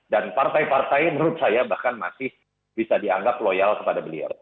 dan partai partai menurut saya bahkan masih bisa dianggap loyal kepada beliau